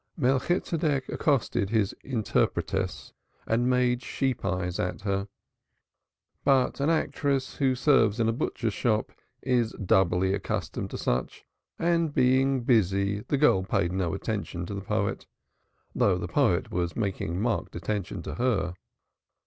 Melchitsedek accosted his interpretess and made sheep's eyes at her. But an actress who serves in a butcher's shop is doubly accustomed to such, and being busy the girl paid no attention to the poet, though the poet was paying marked attention to her.